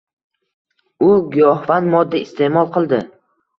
U giyohvand modda isteʼmol qildi